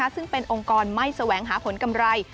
ซึ่งเป็นองค์กรไม่แสวงหาผลกำไร